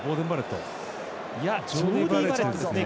ジョーディー・バレットですね。